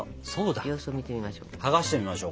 様子を見てみましょう。